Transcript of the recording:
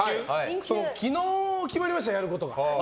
昨日決まりましてね、やることが。